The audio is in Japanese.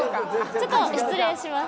ちょっと失礼します。